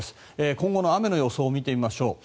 今後の雨の予想を見てみましょう。